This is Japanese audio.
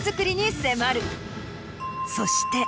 そして。